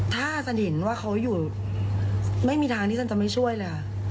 ถ้าสันเห็นว่าเขาอยู่ไม่มีทางที่ฉันจะไม่ช่วยเลยค่ะ